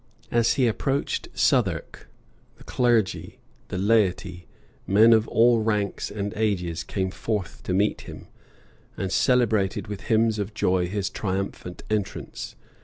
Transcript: As he approached Southwark, the clergy, the laity, men of all ranks and ages, came forth to meet him, and celebrated with hymns of joy his triumphant entrance.